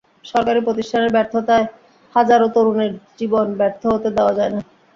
সরকারি প্রতিষ্ঠানের ব্যর্থতায় হাজারো তরুণের জীবন ব্যর্থ হতে দেওয়া যায় না।